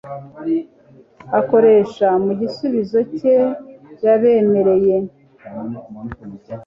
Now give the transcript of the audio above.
akoresha mu gisubizo cye, yabemereye